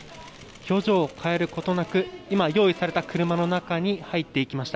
表情を変えることなく用意された車の中に入っていきました。